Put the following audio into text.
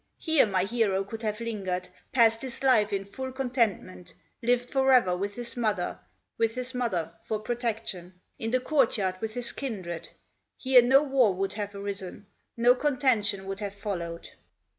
Here my hero could have lingered, Passed his life in full contentment, Lived forever with his mother, With his mother for protection, In the court yard with his kindred; Here no war would have arisen, No contention would have followed.